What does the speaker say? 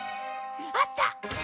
あった！